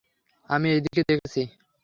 আমি এইদিকে দেখছি।